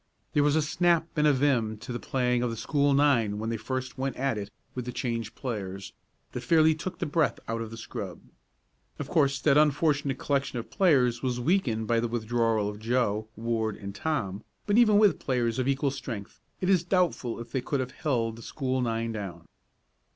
There was a snap and a vim to the playing of the school nine when they first went at it with the changed players, that fairly took the breath out of the scrub. Of course that unfortunate collection of players was weakened by the withdrawal of Joe, Ward and Tom, but even with players of equal strength it is doubtful if they could have held the school nine down.